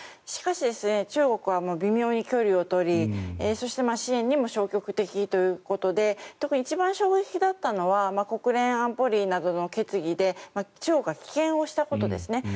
しかし、中国は微妙に距離を取りそして、支援にも消極的ということで特に一番衝撃だったのは国連安保理などの決議で中国が棄権をしたことですね。